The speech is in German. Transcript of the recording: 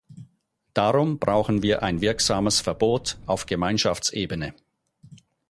Darum brauchen wir ein wirksames Verbot auf Gemeinschaftsebene.